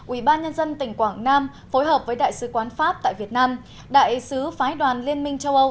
ubnd tỉnh quảng nam phối hợp với đại sứ quán pháp tại việt nam đại sứ phái đoàn liên minh châu âu